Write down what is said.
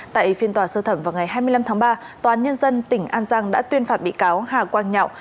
tại phiên tòa sơ thẩm vào ngày hai mươi năm tháng ba tòa án nhân dân tỉnh an giang đã tuyên phạt bị cáo hà quang nhạo